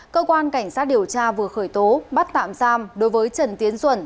cơ quan cảnh sát điều tra vừa khởi tố bắt tạm giam đối với trần tiến duẩn